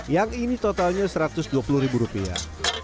yang ini totalnya satu ratus dua puluh ribu rupiah